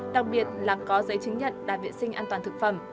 đặc biệt là có giấy chứng nhận đạt vệ sinh an toàn thực phẩm